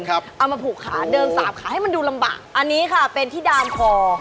เอามาผูกขาเดินสาบขาให้มันดูลำบากอันนี้ค่ะเป็นที่ดามคอ